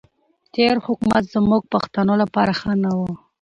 تېر حکومت زموږ پښتنو لپاره ښه نه وو.